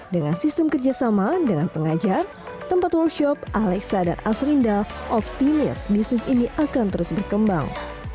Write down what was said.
dengan sistem kerjasama dengan pengajar tempat workshop alexa dan asrinda optimis bisnis ini akan terus berkembang